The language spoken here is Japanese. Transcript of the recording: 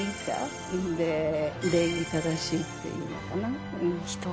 礼儀正しいっていうのかな。